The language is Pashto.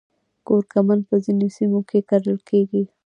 کورکمن په ځینو سیمو کې کرل کیږي